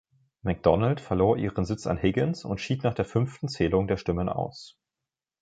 McDonald verlor ihren Sitz an Higgins und schied nach der fünften Zählung der Stimmen aus.